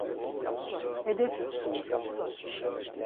Hedefiçkimi...